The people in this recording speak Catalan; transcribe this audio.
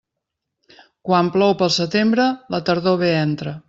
Quan plou pel setembre, la tardor bé entra.